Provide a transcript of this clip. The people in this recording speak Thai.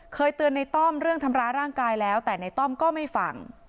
เคยเตือนในต้อมเรื่องทำร้ายร่างกายแล้วแต่ในต้อมก็ไม่ฟัง